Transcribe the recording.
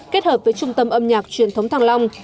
kết hợp với trung tâm âm nhạc truyền thống thăng long